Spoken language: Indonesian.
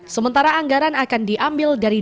sementara anggaran akan diambil dari